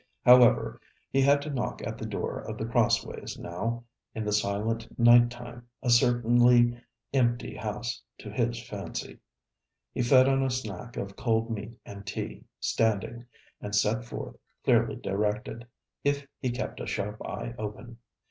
However, he had to knock at the door of The Crossways now, in the silent night time, a certainly empty house, to his fancy. He fed on a snack of cold meat and tea, standing, and set forth, clearly directed, 'if he kept a sharp eye open.'